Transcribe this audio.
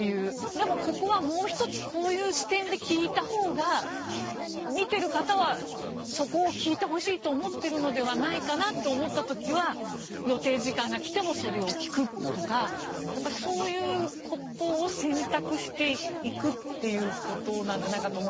でもここはもう一つこういう視点で聞いたほうが見てる方はそこを聞いてほしいと思ってるのではないかなと思ったときは予定時間が来てもそれを聞くとかやっぱりそういうことを選択していくっていうことなんじゃないかと思う。